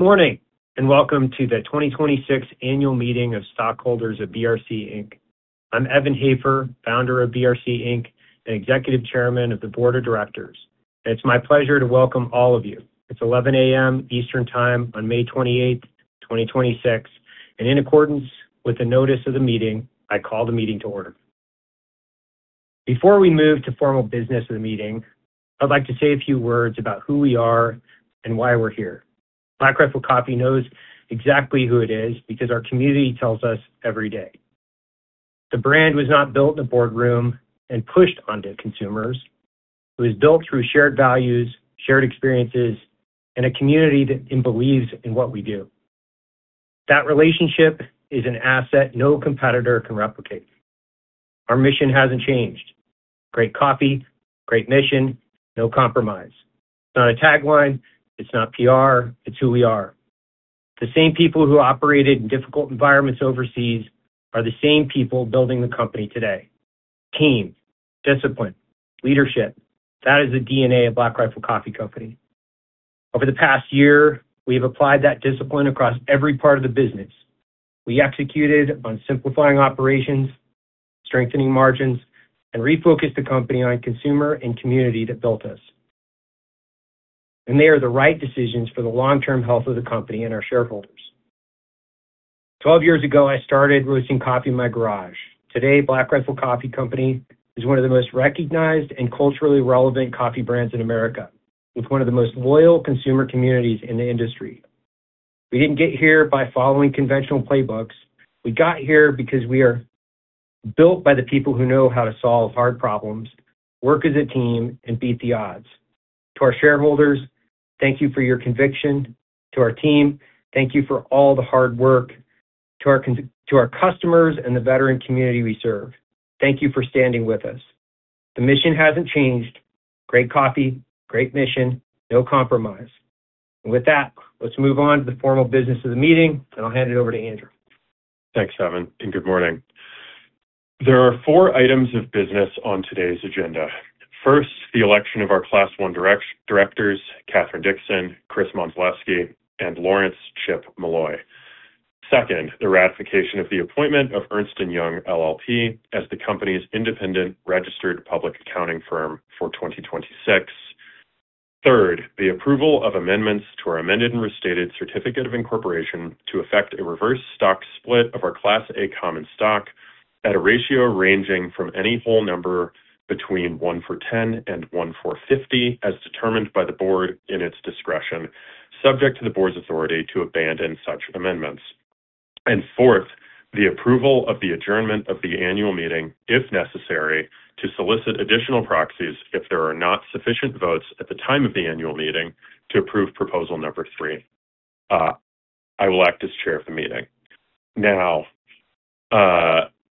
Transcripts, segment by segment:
Good morning, and Welcome to the 2026 Annual Meeting of Stockholders of BRC Inc. I'm Evan Hafer, Founder of BRC Inc. and Executive Chairman of the Board of Directors. It's my pleasure to welcome all of you. It's 11:00AM Eastern Time on May 28th, 2026, and in accordance with the notice of the meeting, I call the meeting to order. Before we move to formal business of the meeting, I'd like to say a few words about who we are and why we're here. Black Rifle Coffee knows exactly who it is because our community tells us every day. The brand was not built in a boardroom and pushed onto consumers. It was built through shared values, shared experiences, and a community that believes in what we do. That relationship is an asset no competitor can replicate. Our mission hasn't changed. Great coffee, great mission, no compromise. It's not a tagline, it's not PR, it's who we are. The same people who operated in difficult environments overseas are the same people building the company today. Team. Discipline. Leadership. That is the DNA of Black Rifle Coffee Company. Over the past year, we have applied that discipline across every part of the business. We executed on simplifying operations, strengthening margins, and refocused the company on consumer and community that built us. They are the right decisions for the long-term health of the company and our shareholders. 12 years ago, I started roasting coffee in my garage. Today, Black Rifle Coffee Company is one of the most recognized and culturally relevant coffee brands in America, with one of the most loyal consumer communities in the industry. We didn't get here by following conventional playbooks. We got here because we are built by the people who know how to solve hard problems, work as a team, and beat the odds. To our shareholders, thank you for your conviction. To our team, thank you for all the hard work. To our customers and the veteran community we serve, thank you for standing with us. The mission hasn't changed. Great coffee, great mission, no compromise. With that, let's move on to the formal business of the meeting, and I'll hand it over to Andrew. Thanks, Evan. Good morning. There are four items of business on today's agenda. First, the election of our Class I directors, Katy Dickson, Chris Mondzelewski, and Lawrence Molloy. Second, the ratification of the appointment of Ernst & Young LLP as the company's independent registered public accounting firm for 2026. Third, the approval of amendments to our amended and restated certificate of incorporation to effect a reverse stock split of our Class A common stock at a ratio ranging from any whole number between one for 10 and one for 50, as determined by the board in its discretion, subject to the board's authority to abandon such amendments. Fourth, the approval of the adjournment of the annual meeting, if necessary, to solicit additional proxies if there are not sufficient votes at the time of the annual meeting to approve proposal number three. I will act as chair of the meeting. Now,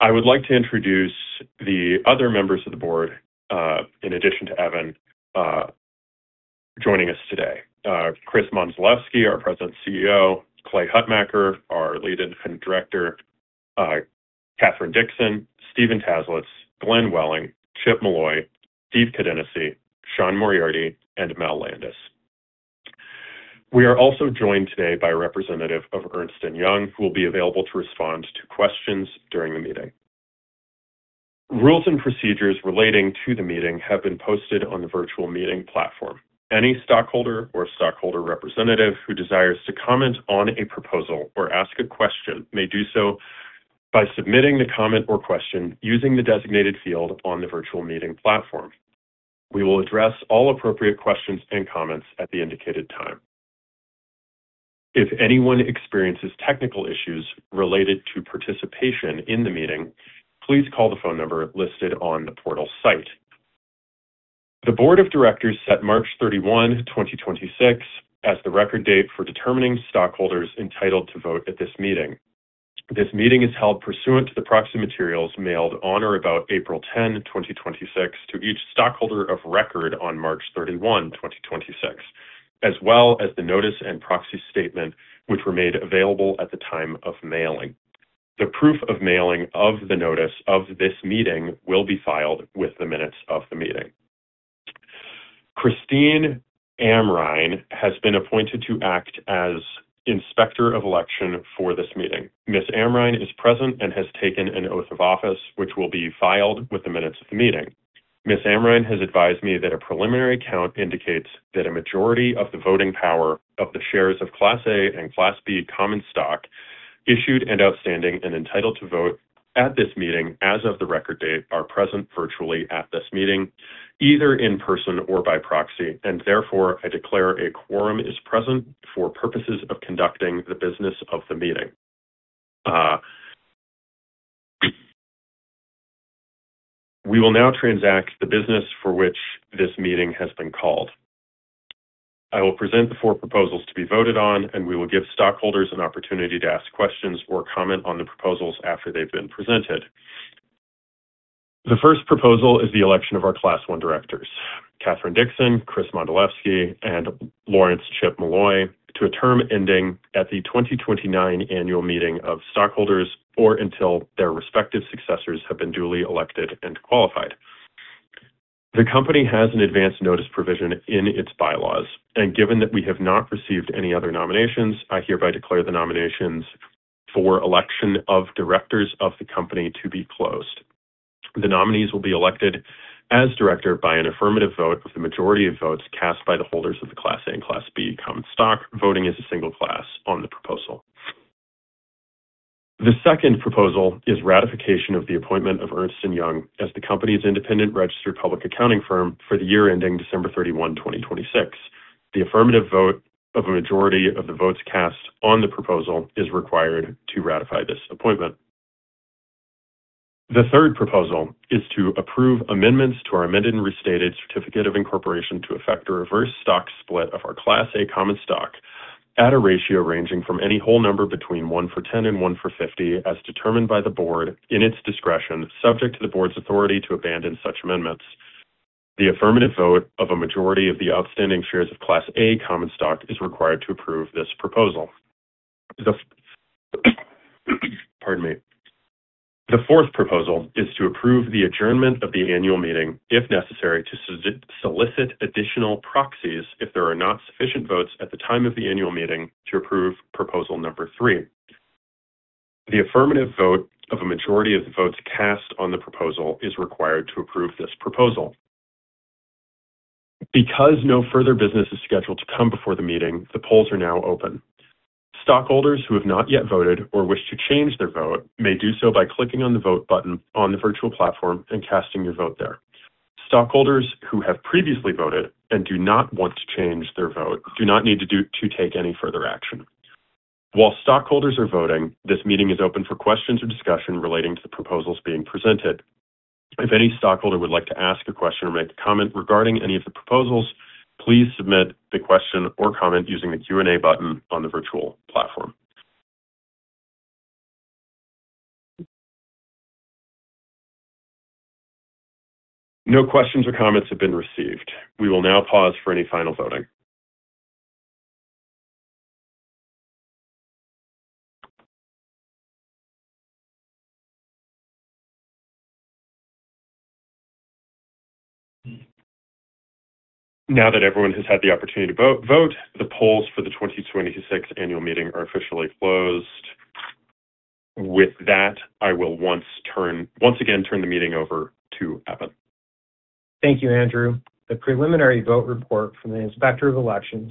I would like to introduce the other members of the board, in addition to Evan, joining us today. Chris Mondzelewski, our President and CEO, Clayton Hutmacher, our Lead Independent Director, Katy Dickson, Steven Taslitz, Glenn Welling, Chip Molloy, Steve Kadenacy, Sean Moriarty, and Melvin Landis. We are also joined today by a representative of Ernst & Young, who will be available to respond to questions during the meeting. Rules and procedures relating to the meeting have been posted on the virtual meeting platform. Any stockholder or stockholder representative who desires to comment on a proposal or ask a question may do so by submitting the comment or question using the designated field on the virtual meeting platform. We will address all appropriate questions and comments at the indicated time. If anyone experiences technical issues related to participation in the meeting, please call the phone number listed on the portal site. The board of directors set March 31, 2026, as the record date for determining stockholders entitled to vote at this meeting. This meeting is held pursuant to the proxy materials mailed on or about April 10, 2026, to each stockholder of record on March 31, 2026, as well as the notice and proxy statement, which were made available at the time of mailing. The proof of mailing of the notice of this meeting will be filed with the minutes of the meeting. Christine Amrine has been appointed to act as Inspector of Election for this meeting. Ms. Amrine is present and has taken an oath of office, which will be filed with the minutes of the meeting. Ms. Amrine has advised me that a preliminary count indicates that a majority of the voting power of the shares of Class A common stock and Class B common stock issued and outstanding and entitled to vote at this meeting as of the record date are present virtually at this meeting, either in person or by proxy. Therefore, I declare a quorum is present for purposes of conducting the business of the meeting. We will now transact the business for which this meeting has been called. I will present the four proposals to be voted on, and we will give stockholders an opportunity to ask questions or comment on the proposals after they've been presented. The first proposal is the election of our Class I directors, Katy Dickson, Chris Mondzelewski, and Lawrence Chip Molloy, to a term ending at the 2029 annual meeting of stockholders, or until their respective successors have been duly elected and qualified. The company has an advance notice provision in its bylaws. Given that we have not received any other nominations, I hereby declare the nominations for election of directors of the company to be closed. The nominees will be elected as director by an affirmative vote with the majority of votes cast by the holders of the Class A and Class B common stock voting as a single class on the proposal. The second proposal is ratification of the appointment of Ernst & Young as the company's independent registered public accounting firm for the year ending December 31, 2026. The affirmative vote of a majority of the votes cast on the proposal is required to ratify this appointment. The third proposal is to approve amendments to our amended and restated certificate of incorporation to effect a reverse stock split of our Class A common stock at a ratio ranging from any whole number between one for 10 and one for 50, as determined by the Board in its discretion, subject to the Board's authority to abandon such amendments. The affirmative vote of a majority of the outstanding shares of Class A common stock is required to approve this proposal. The fourth proposal is to approve the adjournment of the annual meeting, if necessary, to solicit additional proxies if there are not sufficient votes at the time of the annual meeting to approve proposal number three. The affirmative vote of a majority of the votes cast on the proposal is required to approve this proposal. Because no further business is scheduled to come before the meeting, the polls are now open. Stockholders who have not yet voted or wish to change their vote may do so by clicking on the Vote button on the virtual platform and casting your vote there. Stockholders who have previously voted and do not want to change their vote do not need to take any further action. While stockholders are voting, this meeting is open for questions or discussion relating to the proposals being presented. If any stockholder would like to ask a question or make a comment regarding any of the proposals, please submit the question or comment using the Q&A button on the virtual platform. No questions or comments have been received. We will now pause for any final voting. Now that everyone has had the opportunity to vote, the polls for the 2026 annual meeting are officially closed. With that, I will once again turn the meeting over to Evan. Thank you, Andrew. The preliminary vote report from the Inspector of Election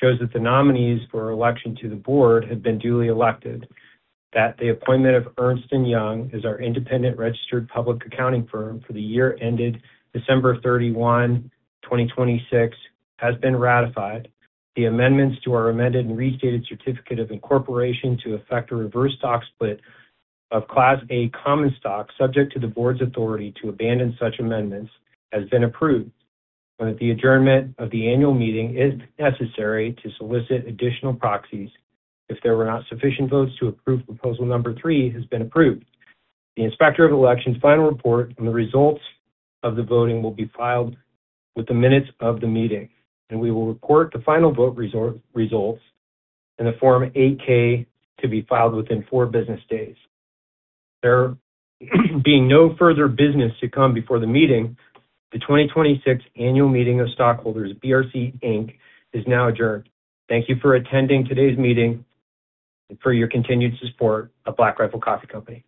shows that the nominees for election to the board have been duly elected, that the appointment of Ernst & Young as our independent registered public accounting firm for the year ended December 31, 2026, has been ratified. The amendments to our amended and restated certificate of incorporation to effect a reverse stock split of Class A common stock, subject to the board's authority to abandon such amendments, has been approved, and that the adjournment of the annual meeting, if necessary, to solicit additional proxies if there were not sufficient votes to approve proposal number three has been approved. The Inspector of Election's final report on the results of the voting will be filed with the minutes of the meeting, and we will report the final vote results in the Form 8-K to be filed within four business days. There being no further business to come before the meeting, the 2026 Annual Meeting of Stockholders of BRC Inc. is now adjourned. Thank you for attending today's meeting and for your continued support of Black Rifle Coffee Company.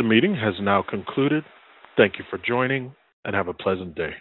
The meeting has now concluded. Thank you for joining, and have a pleasant day.